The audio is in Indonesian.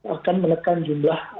akan menekan jumlah penderitaan